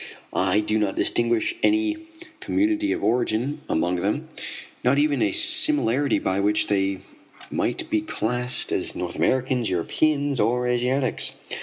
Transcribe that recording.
I do not distinguish any community of origin among them, not even a similarity by which they might be classed as North Americans, Europeans or Asiatics.